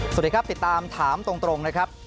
สวัสดีครับติดตามถามตรงนะครับ